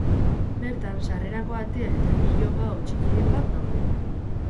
Bertan sarrerako atea eta leiho-bao txikiren bat daude.